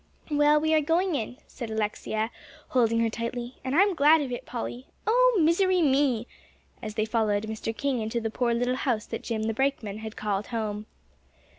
"Well, we are going in," said Alexia, holding her tightly, "and I'm glad of it, Polly. Oh, misery me!" as they followed Mr. King into the poor little house that Jim the brakeman had called home.